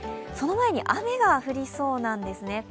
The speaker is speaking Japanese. その前に雨が降りそうなんですね。